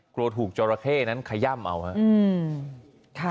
กลัวถูกจราเข้นั้นขย่ำเอาครับ